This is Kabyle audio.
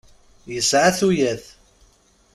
Yesɛa tuyat.